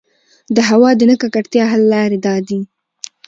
د هـوا د نـه ککـړتيا حـل لـارې دا دي: